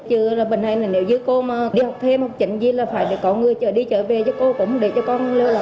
chứ là bình hạnh là nếu như cô mà đi học thêm học trình gì là phải để có người chở đi chở về cho cô cũng để cho con lơ lộn